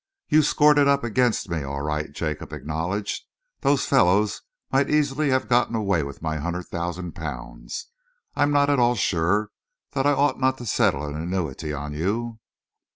"You scored it up against me, all right," Jacob acknowledged. "Those fellows might easily have got away with my hundred thousand pounds. I'm not at all sure that I ought not to settle an annuity on you."